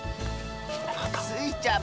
スイちゃん